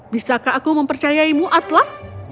bisakah aku mempercayaimu atlas